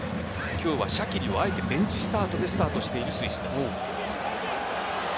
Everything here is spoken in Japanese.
今日はシャキリをあえてベンチスタートでスタートしているスイスです。